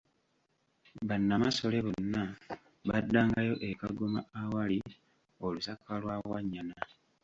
Bannamasole bonna baddangayo e Kagoma awali Olusaka lwa Wannyana.